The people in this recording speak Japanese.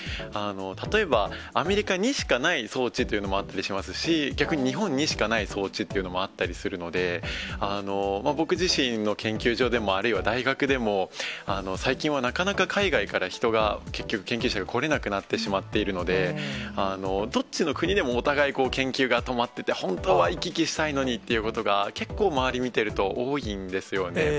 例えば、アメリカにしかない装置というのもあったりしますし、逆に日本にしかない装置っていうのもあったりするので、僕自身の研究所でも、あるいは大学でも、最近はなかなか海外から人が結局、研究者が来れなくなってしまっているので、どっちの国でもお互い研究が止まってて、本当は行き来したいのにっていうことが、結構周り見てると、多いんですよね。